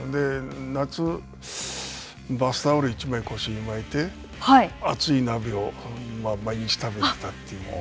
夏、バスタオルを１枚、腰に巻いて熱い鍋を毎日食べてたという。